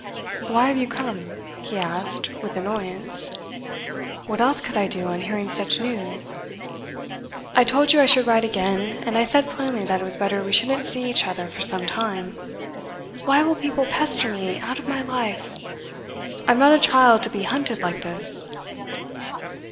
'Why have you come?' he asked, with annoyance. 'What else could I do on hearing such news?' 'I told you I should write again, and I said plainly that it was better we shouldn't see each other for some time. Why will people pester me out of my life? I'm not a child to be hunted like this!